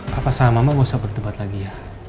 papa sama mama gak usah berdebat lagi ya